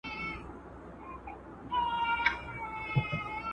دوی به د غوښتنو د کنټرول لپاره له صبر او استقامت څخه کار اخیست.